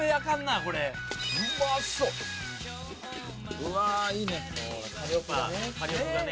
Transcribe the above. うわいいね。